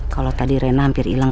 kalo tadi rena hampir ilang